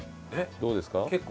どうですか？